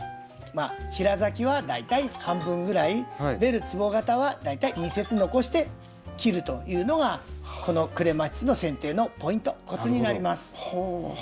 平咲きは大体半分ぐらいベルつぼ形は大体２節残して切るというのがこのクレマチスのせん定のポイントコツになります。